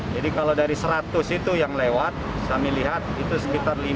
kalau dari seratus itu yang lewat kami lihat itu sekitar lima